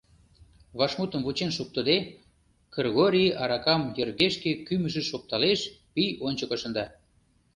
Вашмутым вучен шуктыде, Кыргорий аракам йыргешке кӱмыжыш опталеш, пий ончыко шында.